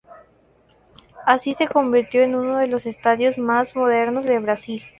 Así se convirtió en uno de los estadios más modernos de Brasil.